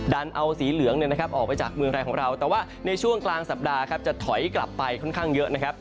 ดันเอาสีเหลืองออกไปจากเมืองไทยของเราแต่ว่าในช่วงกลางสัปดาห์ครับจะถอยกลับไปค่อนข้างเยอะนะครับ